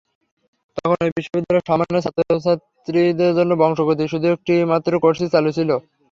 তখন ঐ বিশ্ববিদ্যালয়ে সম্মানের ছাত্রছাত্রীদের জন্য বংশগতির শুধু একটি মাত্র কোর্স চালু ছিল।